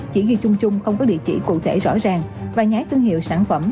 chỉ ghi chung chung không có địa chỉ cụ thể rõ ràng và nhái thương hiệu sản phẩm